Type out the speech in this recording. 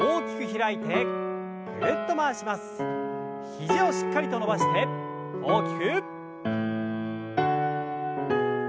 肘をしっかりと伸ばして大きく。